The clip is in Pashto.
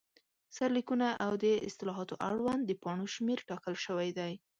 سرلیکونه، او د اصطلاحاتو اړوند د پاڼو شمېر ټاکل شوی دی.